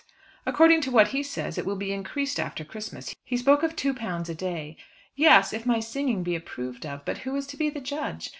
"According to what he says it will be increased after Christmas. He spoke of £2 a day." "Yes; if my singing be approved of. But who is to be the judge?